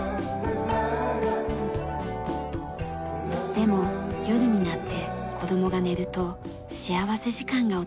でも夜になって子どもが寝ると幸福時間が訪れます。